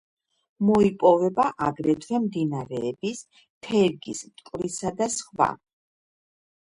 მოიპოვება აგრეთვე მდინარეების თერგის, მტკვრისა და სხვა.